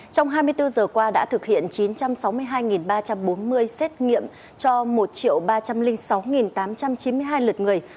trong hai mươi bốn giờ qua đã thực hiện chín trăm sáu mươi hai ba trăm bốn mươi xét nghiệm cho một ba trăm linh sáu tám trăm chín mươi hai lượt người